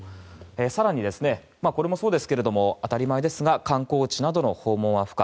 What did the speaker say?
更に、これもそうですけども当たり前ですが観光地などの訪問は不可。